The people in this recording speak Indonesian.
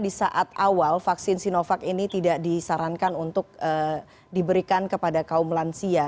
di saat awal vaksin sinovac ini tidak disarankan untuk diberikan kepada kaum lansia